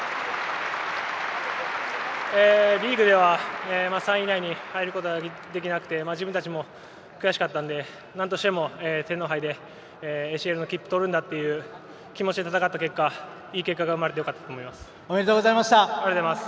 リーグでは３位以内に入ることができなくて自分たちも悔しかったのでなんとしても天皇杯でＡＣＬへの切符を取るという気持ちで挑んだ結果いい結果が生まれてよかったと思います。